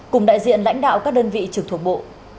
cùng đại diện lãnh đạo các đơn vị trực thuộc bộ